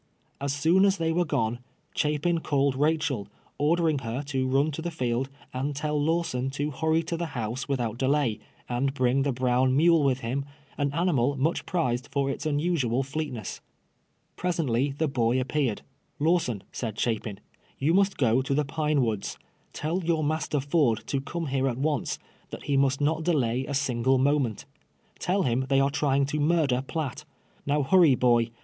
As soon as they were gone, Chapin called Haehel, ordering her to run to the field, and tell Lawson to hurry to the house with out delay, and bring the brown mule Avith him, an animal much prized for its unusual flcctness. Pres ently the boy appeared. '" Lawson," said Chapin, "you must go to the Pine Woods. Tell your master Ford to come here at once — that he must not delay a single moment. Tell him they are trying to murder Piatt. Kow hurry, boy.